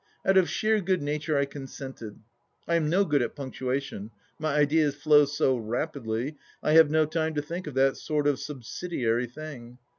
Out of sheer good nature I consented. I am no good at punctuation; my ideas flow so rapidly, I have no time to think of that sort of subsidiary thing.